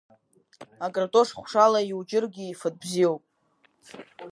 Акартош хәшала иуџьыргьы ифатә бзиоуп.